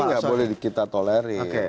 tapi nggak boleh kita tolerin